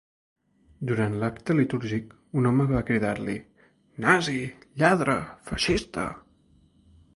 Durant l’acte litúrgic un home va cridar-li: Nazi, lladre, feixista!